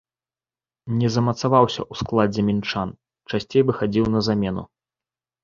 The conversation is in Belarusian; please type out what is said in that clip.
Не замацаваўся ў складзе мінчан, часцей выхадзіў на замену.